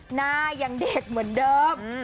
หน้ายังเด็กเหมือนเดิม